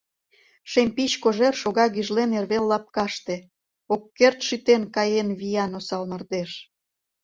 Шем пич кожер шога гӱжлен эрвел лапкаште, Ок керт шӱтен каен виян, осал мардеж!